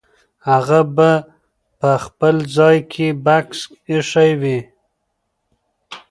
هغه به په خپل ځای کې بکس ایښی وي.